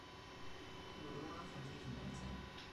Theodora von Griechenland sen.